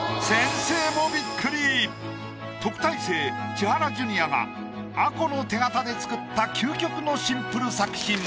千原ジュニアが吾子の手形で作った究極のシンプル作品！